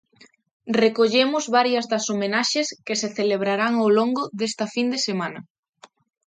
Recollemos varias das homenaxes que se celebrarán ao longo desta fin de semana.